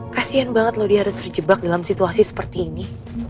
kasian banget loh dia harus terjebak dalam situasi seperti ini